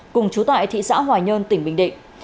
cùng chú tại thị xã hòa nhơn tỉnh bình định